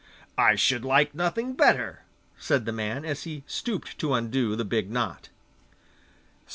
'I should like nothing better,' said the man, as he stooped to undo the big knot.